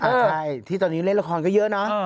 ใช่ที่ตอนนี้เล่นละครก็เยอะนะ